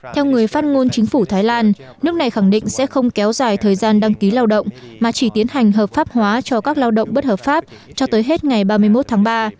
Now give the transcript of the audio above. theo người phát ngôn chính phủ thái lan nước này khẳng định sẽ không kéo dài thời gian đăng ký lao động mà chỉ tiến hành hợp pháp hóa cho các lao động bất hợp pháp cho tới hết ngày ba mươi một tháng ba